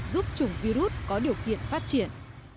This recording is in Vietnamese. giúp chủng virus có điều kiện phát triển